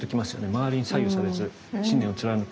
「まわりに左右されず、信念をつらぬく」。